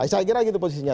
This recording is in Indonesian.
saya kira gitu posisinya